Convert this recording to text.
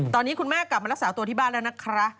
ตอนนี้คุณแม่กลับมารักษาตัวที่บ้านแล้วนะคะ